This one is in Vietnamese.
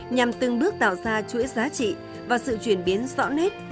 nhằm từng bước tạo ra chuỗi giá trị và sự chuyển biến rõ nét